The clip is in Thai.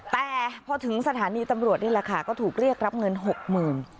แต่พอถึงสถานีตำรวจนี่แหละค่ะก็ถูกเรียกรับเงินหกหมื่น